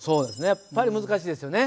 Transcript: やっぱり難しいですよね。